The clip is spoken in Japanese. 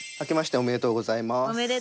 おめでとうございます。